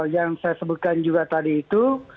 yang saya sebutkan juga tadi itu